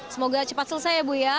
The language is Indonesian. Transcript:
semoga cepat selesai ya bu ya